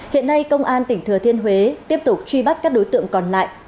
hiện nay công an tỉnh thừa thiên huế tiếp tục truy bắt các đối tượng còn lại